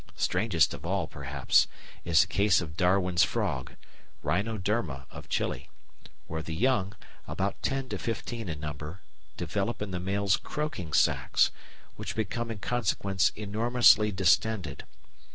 Strangest of all, perhaps, is the case of Darwin's Frog (Rhinoderma of Chili), where the young, about ten to fifteen in number, develop in the male's croaking sacs, which become in consequence enormously distended.